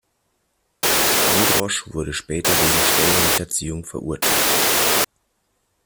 Androsch wurde später wegen Steuerhinterziehung verurteilt.